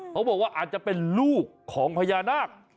เขาบอกว่าอาจจะเป็นลูกของพญานาค